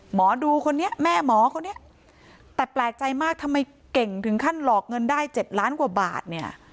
หมอดูคนนี้แม่หมอคนนี้แต่แปลกใจมากทำไมเก่งถึงขั้นหลอกเงินได้๗ล้านกว่าบาทเนี่ย